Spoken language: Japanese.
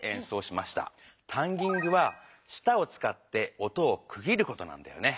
タンギングはしたをつかって音をく切ることなんだよね。